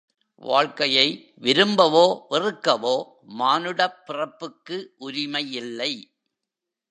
வாழ்க்கையை விரும்பவோ, வெறுக்கவோ மானுடப் பிறப்புக்கு உரிமை இல்லை!